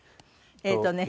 えっとね